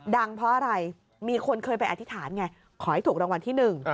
เพราะอะไรมีคนเคยไปอธิษฐานไงขอให้ถูกรางวัลที่หนึ่ง